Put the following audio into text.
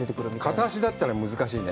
片足だったら難しいね。